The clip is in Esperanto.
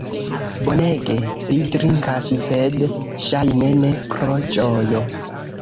Bonege li drinkas, sed ŝajne ne pro ĝojo!